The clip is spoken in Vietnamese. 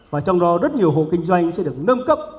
và trong đó rất nhiều hộ kinh doanh sẽ được nâng cấp